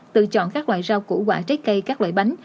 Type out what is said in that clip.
tự chọn các loại rau củ quả trái cây các loại bánh